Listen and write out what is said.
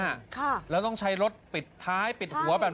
ค่ะแล้วต้องใช้รถปิดท้ายปิดหัวแบบ